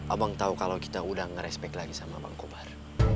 abang tau kalau kita udah ngerespek lagi sama bang kobar